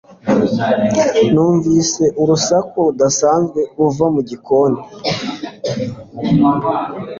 Numvise urusaku rudasanzwe ruva mu gikoni.